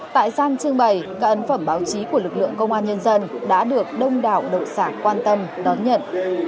tại gian trưng bày các ấn phẩm báo chí của lực lượng công an nhân dân đã được đông đảo độc giả quan tâm đón nhận